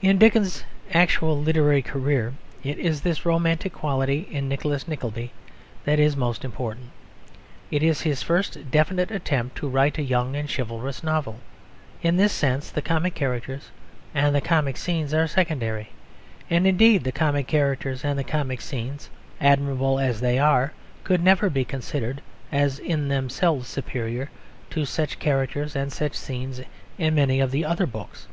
In Dickens's actual literary career it is this romantic quality in Nicholas Nickleby that is most important. It is his first definite attempt to write a young and chivalrous novel. In this sense the comic characters and the comic scenes are secondary; and indeed the comic characters and the comic scenes, admirable as they are, could never be considered as in themselves superior to such characters and such scenes in many of the other books.